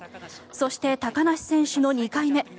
そして高梨選手の２回目。